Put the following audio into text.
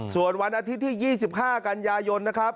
ส่วนวันอาทิตย์ที่๒๕กันยายนนะครับ